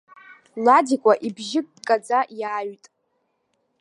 Ладикәа ибжьы ккаӡа иааҩт.